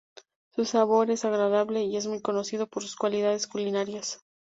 Su sabor es agradable y es muy conocido por sus cualidades culinarias.